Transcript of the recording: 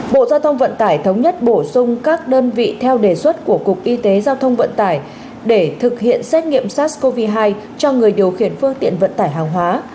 bộ giao thông vận tải thống nhất bổ sung các đơn vị theo đề xuất của cục y tế giao thông vận tải để thực hiện xét nghiệm sars cov hai cho người điều khiển phương tiện vận tải hàng hóa